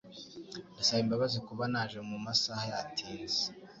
Ndasaba imbabazi kuba naje mu masaha yatinze.